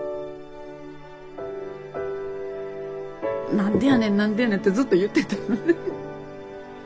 なんでやねんなんでやねんってずっと言ってたのね。